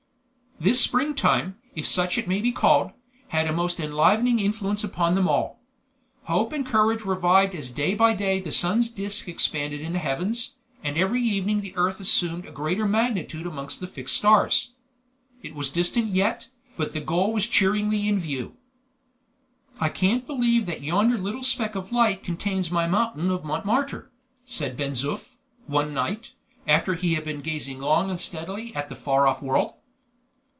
This spring time, if such it may be called, had a most enlivening influence upon all. Hope and courage revived as day by day the sun's disc expanded in the heavens, and every evening the earth assumed a greater magnitude amongst the fixed stars. It was distant yet, but the goal was cheeringly in view. "I can't believe that yonder little speck of light contains my mountain of Montmartre," said Ben Zoof, one night, after he had been gazing long and steadily at the far off world.